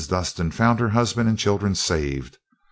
Dustin found her husband and children saved.